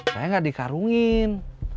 saya gak dikarungin